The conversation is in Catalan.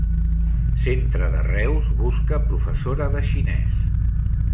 Centre de Reus busca professora de xinès.